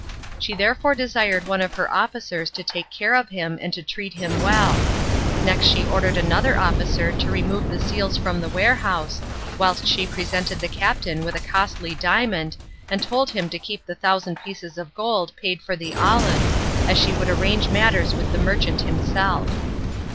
She therefore desired one of her officers to take care of him and to treat him well. Next she ordered another officer to remove the seals from the warehouse, whilst she presented the captain with a costly diamond, and told him to keep the thousand pieces of gold paid for the olives, as she would arrange matters with the merchant himself.